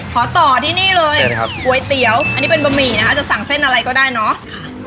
ขอต่อที่นี่เลยก๋วยเตี๋ยวอันนี้เป็นบะหมี่นะคะจะสั่งเส้นอะไรก็ได้เนาะ